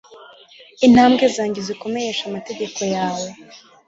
intambwe zanjye uzikomereshe amategeko yawe